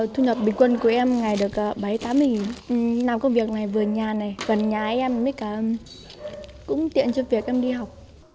thu nhập bình quân của em ngày được bảy tám mình làm công việc vườn nhà này vườn nhà em cũng tiện cho việc em đi học